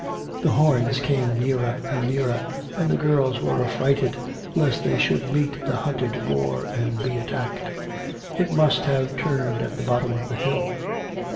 The horns came nearer and nearer, and the girls were affrighted lest they should meet the hunted boar and be attacked. It must have turned at the bottom of the hill.